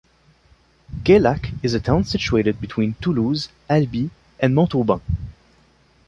Gaillac is a town situated between Toulouse, Albi and Montauban.